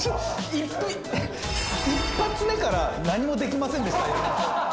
「一発目から“何もできませんでした”は」